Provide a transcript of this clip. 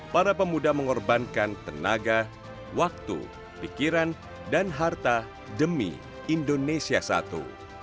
para pemuda mengorbankan tenaga waktu pikiran dan harta demi indonesia satu